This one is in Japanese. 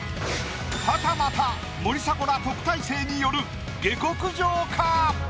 はたまた森迫ら特待生による下克上か？